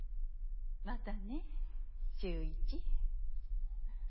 またね秀一。